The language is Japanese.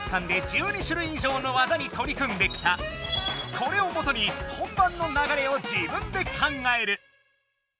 これをもとに本番の流れを自分で考える！